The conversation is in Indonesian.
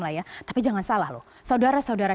lah ya tapi jangan salah loh saudara saudara